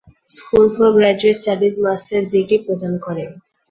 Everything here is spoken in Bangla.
School for graduate studies masters degree প্রদান করে।